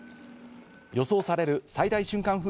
予想される最大瞬間